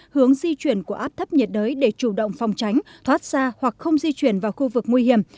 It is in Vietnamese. hướng di chuyển của áp thấp nhiệt đới để chủ động phòng tránh thoát xa hoặc không di chuyển vào khu vực nguy hiểm